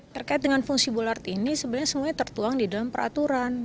terkait dengan fungsi bulat ini sebenarnya semuanya tertuang di dalam peraturan